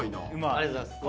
ありがとうございます。